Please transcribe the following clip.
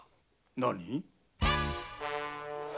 何？